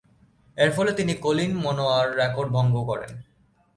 এরফলে, তিনি কলিন মানরো’র রেকর্ড ভঙ্গ করেন।